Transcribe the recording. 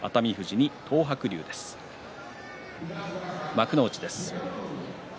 幕内です。